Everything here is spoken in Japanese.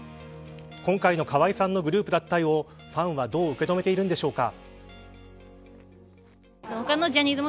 今回の河合さんのグループ脱退をファンはどう受け止めているんでしょうか。